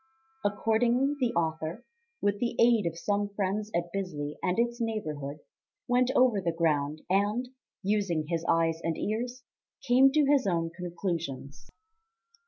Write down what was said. Accordingly, the author, with the aid of some friends at Bisley and its neighbourhood, went over the ground, and, using his eyes and ears, came to his own conclusions.